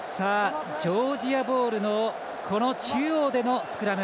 ジョージアボールの中央でのスクラム。